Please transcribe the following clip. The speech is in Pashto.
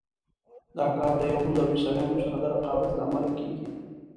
دا کار د یهودو او عیسویانو سره د رقابت له امله کېږي.